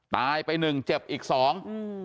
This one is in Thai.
ตายไปหนึ่งเจ็บอีกสองอืม